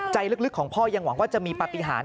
ใจลึกของพ่อยังหวังว่าจะมีปฏิหาร